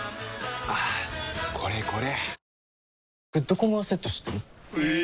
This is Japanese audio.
はぁこれこれ！